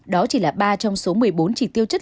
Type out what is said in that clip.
đó chỉ là ba trong số một mươi bốn chỉ tiêu chất